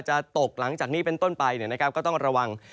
จะตกหลังจากนี้เป็นต้นไปเนี่ยนะครับก็ต้องระวัง